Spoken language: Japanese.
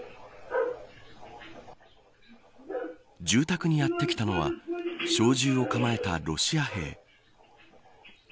住宅にやってきたのは小銃を構えたロシア兵。